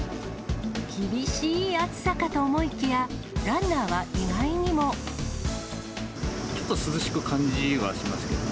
厳しい暑さかと思いきや、ランナちょっと涼しく感じはしますけどね。